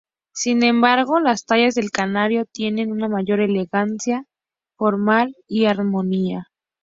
Sin embargo las tallas del canario tienen una mayor elegancia formal y armonía.